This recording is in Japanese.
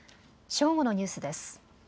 正午のニュースです。